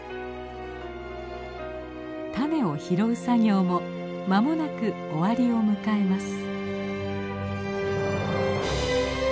種を拾う作業も間もなく終わりを迎えます。